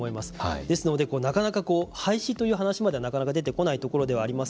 ですので、なかなか廃止という話まではなかなか出ないところではあります。